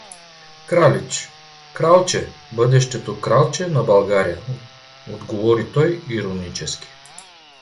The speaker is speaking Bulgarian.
— Кралич? — Кралче, бъдещето кралче на България — отговори той иронически.